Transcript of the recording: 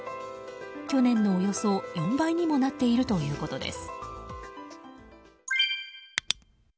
去年のおよそ４倍にもなっているということです。